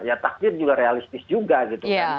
ya takdir juga realistis juga gitu kan